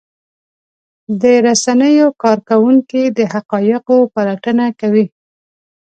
د رسنیو کارکوونکي د حقایقو پلټنه کوي.